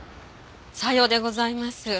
さようでございます。